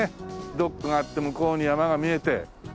ドックがあって向こうに山が見えて。